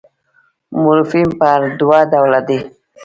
مورفیم پر دوه ډوله دئ.